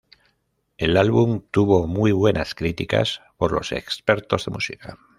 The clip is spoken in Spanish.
El álbum tuvo muy buenas críticas por los expertos de música.